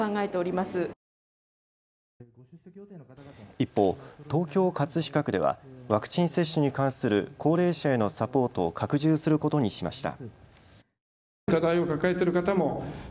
一方、東京葛飾区ではワクチン接種に関する高齢者へのサポートを拡充することにしました。